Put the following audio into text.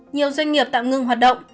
nhiều doanh nghiệp tạm ngưng hoạt động